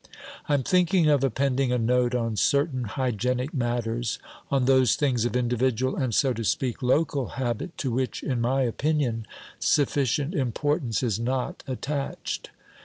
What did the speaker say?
I am thinking of appending a note on certain hygienic matters, on those things of individual and, so to speak, local habit, to which, in my opinion, sufficient importance is not attached.